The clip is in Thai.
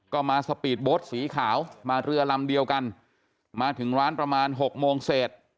ก็มาสปีดโบสต์สีขาวมาเรือลำเดียวกันมาถึงร้านประมาณ๖โมงเศษ